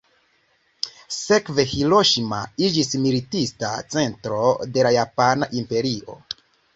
Sekve Hiroŝimo iĝis militista centro de la japana imperio.